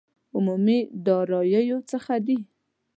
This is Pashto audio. عمومي داراییو څخه دي.